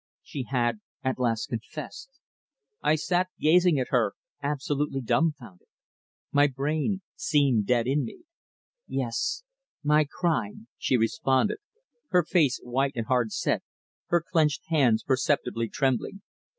She had at last confessed. I sat gazing at her absolutely dumbfounded. My brain seemed dead in me. "Yes, my crime," she responded, her face white and hard set, her clenched hands perceptibly trembling.